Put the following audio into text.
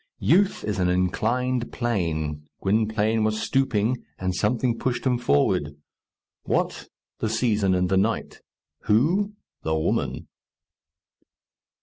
Youth is an inclined plane. Gwynplaine was stooping, and something pushed him forward. What? the season, and the night. Who? the woman.